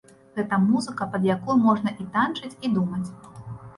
Гэта музыка, пад якую можна і танчыць, і думаць.